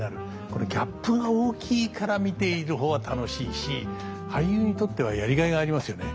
これギャップが大きいから見ている方は楽しいし俳優にとってはやりがいがありますよね。